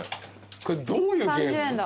これどういうゲーム？